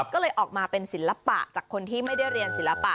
ก็เลยออกมาเป็นศิลปะจากคนที่ไม่ได้เรียนศิลปะ